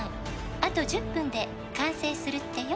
あと１０分で完成するってよ」